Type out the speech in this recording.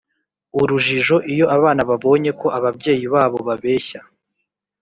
urujijo Iyo abana babonye ko ababyeyi babo babeshya